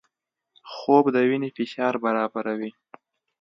خوب د وینې فشار برابروي